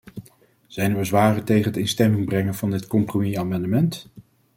Zijn er bezwaren tegen het in stemming brengen van dit compromisamendement?